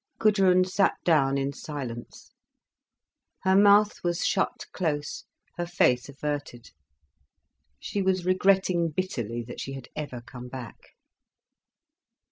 Gudrun sat down in silence. Her mouth was shut close, her face averted. She was regretting bitterly that she had ever come back.